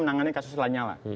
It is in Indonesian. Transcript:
menangani kasus setelah nyala